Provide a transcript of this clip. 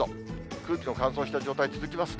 空気の乾燥した状態続きますね。